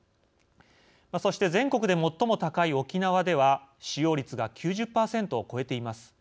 そして全国で最も高い沖縄では使用率が９０％を超えています。